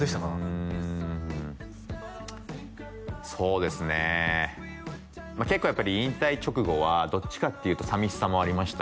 うんそうですねまあ結構やっぱり引退直後はどっちかっていうと寂しさもありました